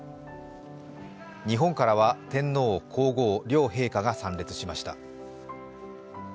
日本からは天皇皇后両陛下が参列しました。